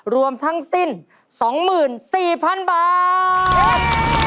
รวมทั้งสิ้น๒๔๐๐๐บาท